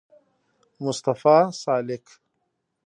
مصطفی سالک